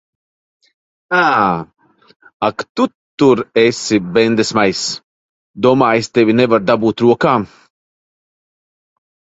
Ā! Ak tu tur esi, bendesmaiss! Domā, es tevi nevaru dabūt rokā.